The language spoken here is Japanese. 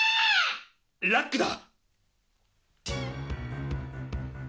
ラックだ！